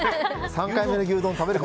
３回目。